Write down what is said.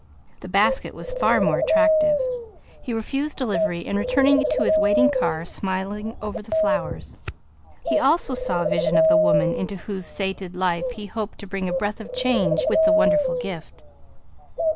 The basket was far more attractive. He refused delivery, returning to his waiting car smiling over the flowers. He also saw a vision of the woman into whose sated life he hoped to bring a breath of change with the wonderful gift.